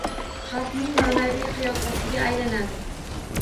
Xalqning maʼnaviy qiyofasiga aylanadi